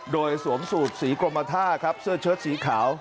โดยสวมสูตรสีกรมท่าครับเสื้อเชิดสีขาว